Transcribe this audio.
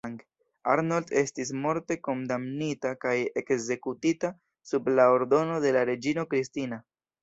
Arnold estis morte kondamnita kaj ekzekutita sub la ordono de la reĝino Kristina.